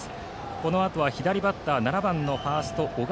このあとは左バッター７番ファースト、小川。